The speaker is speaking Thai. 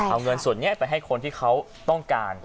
เอาเงินส่วนนี้ไปให้คนที่เขาต้องการ